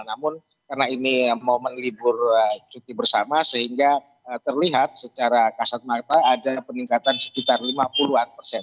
namun karena ini momen libur cuti bersama sehingga terlihat secara kasat mata ada peningkatan sekitar lima puluh an persen